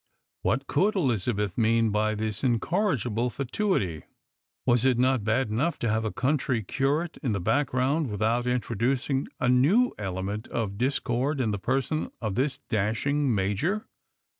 What could Elizabeth mean by such incorrigible fatuity ? Waa it not bad enough to have a country curate in the backgro\;nd, without introducing a new element of discord in the person oi! this dashing major?